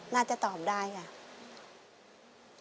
น่าจะตอบได้ค่ะ